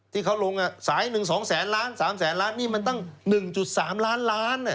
ที่เขาลงสายหนึ่ง๒แสนล้าน๓แสนล้านนี่มันตั้ง๑๓ล้านล้าน